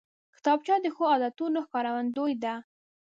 کتابچه د ښو عادتونو ښکارندوی ده